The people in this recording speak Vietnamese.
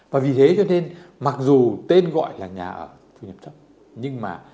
và vì thế cho nên mặc dù tên gọi là nhà ở thu nhập thấp nhưng mà